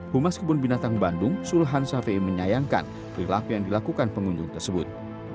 humas kebun binatang bandung sulhan shafiei menyayangkan perilaku yang dilakukan pengunjung tersebut